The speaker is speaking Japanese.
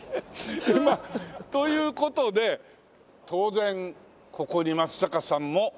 まあという事で当然ここに松坂さんも。